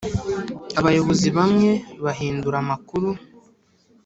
Abayobozi bamwe bahindura amakuru